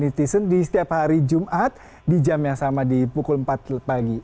netizen di setiap hari jumat di jam yang sama di pukul empat pagi